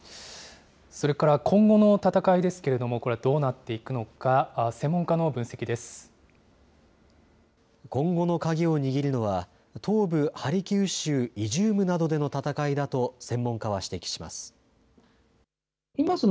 それから今後の戦いですけれども、これはどうなっていくのか、今後の鍵を握るのは、東部ハリキウ州イジュームなどでの戦いだと専門家は指摘します。